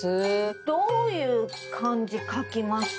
どういう漢字書きますか？